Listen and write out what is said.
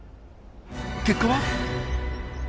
結果は？